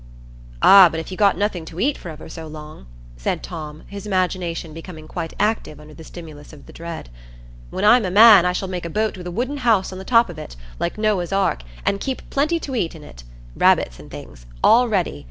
"Ah, but if you got nothing to eat for ever so long?" said Tom, his imagination becoming quite active under the stimulus of that dread. "When I'm a man, I shall make a boat with a wooden house on the top of it, like Noah's ark, and keep plenty to eat in it,—rabbits and things,—all ready.